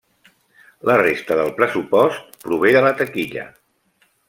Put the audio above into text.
La resta del pressupost prové de la taquilla.